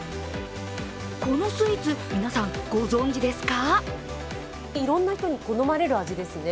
このスイーツ、皆さんご存じですか？